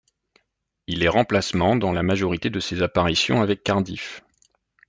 Il est remplacement dans la majorité de ses apparitions avec Cardiff.